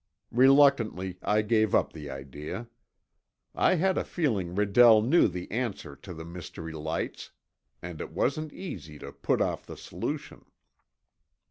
Reluctantly, I gave up the idea. I had a feeling Redell knew the answer to the mystery lights, and it wasn't easy to put off the solution.